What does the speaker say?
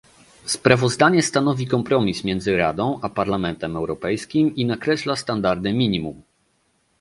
Sprawozdanie stanowi kompromis między Radą a Parlamentem Europejskim i nakreśla standardy minimum